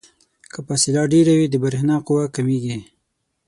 که فاصله ډیره وي د برېښنا قوه کمیږي.